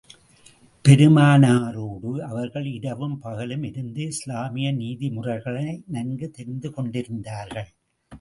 பெருமானாரோடு அவர்கள் இரவும், பகலும் இருந்து இஸ்லாமிய நீதி முறைகளை நன்கு தெரிந்து கொண்டிருந்தார்கள்.